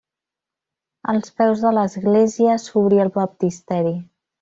Als peus de l'església s'obrí el baptisteri.